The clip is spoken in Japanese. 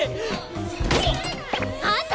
あんた！